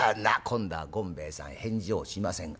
今度は権兵衛さん返事をしません。